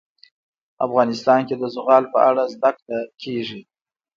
افغانستان کې د زغال په اړه زده کړه کېږي.